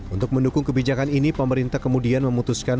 untuk mendukung kebijakan ini pemerintah kemudian memutuskan